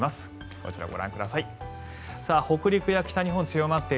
こちら、ご覧ください。